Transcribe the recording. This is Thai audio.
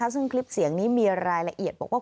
ซึ่งคลิปเสียงนี้มีรายละเอียดบอกว่า